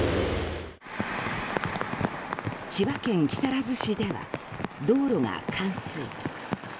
千葉県木更津市では道路が冠水。